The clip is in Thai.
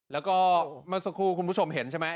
แล้วก็เมื่อสักครู่คุณผู้ชมเห็นใช่ไหม